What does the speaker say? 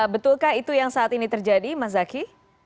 betulkah itu yang saat ini terjadi mas zaky